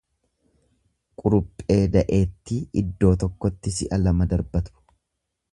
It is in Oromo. Quruphee da'eettii eddoo tokkotti si'a lama darbatu.